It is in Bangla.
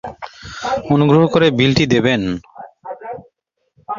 অনুগ্রহ করে বিলটি দেবেন?